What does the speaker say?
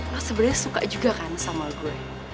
lo sebenarnya suka juga kan sama gue